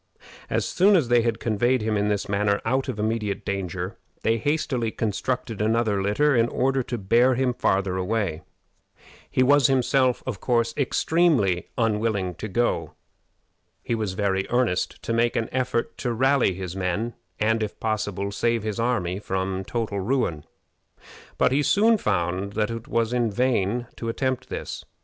As soon as they had conveyed him in this manner out of immediate danger, they hastily constructed another litter in order to bear him farther away. He was himself extremely unwilling to go. He was very earnest to make an effort to rally his men, and, if possible, save his army from total ruin. But he soon found that it was in vain to attempt this.